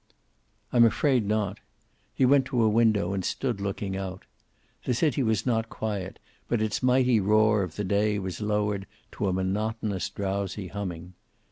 "I'm afraid not." He went to a window and stood looking out. The city was not quiet, but its mighty roar of the day was lowered to a monotonous, drowsy humming.